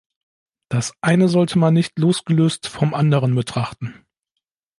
Das eine sollte man nicht losgelöst vom anderen betrachten.